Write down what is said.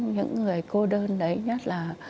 những cái người cô đơn đấy nhất là